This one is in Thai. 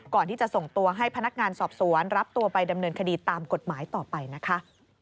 ก่อนที่จะส่งตัวให้พนักงานสอบสวนรับตัวไปดำเนินคดีตามกฎหมายต่อไปนะคะ